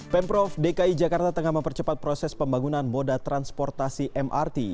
pemprov dki jakarta tengah mempercepat proses pembangunan moda transportasi mrt